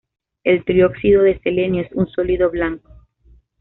El trióxido de selenio es un sólido blanco.